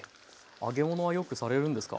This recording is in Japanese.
揚げ物はよくされるんですか？